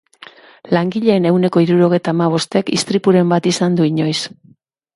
Langileen ehuneko hirurogeita hamabostek istripuren bat izan du inoiz.